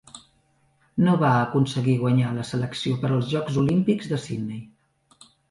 No va aconseguir guanyar la selecció per als Jocs Olímpics de Sydney.